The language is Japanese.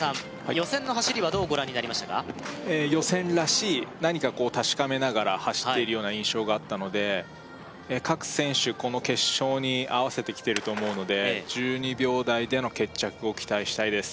予選の走りはどうご覧になりましたかええ予選らしい何かこう確かめながら走っているような印象があったので各選手この決勝に合わせてきてると思うので１２秒台での決着を期待したいです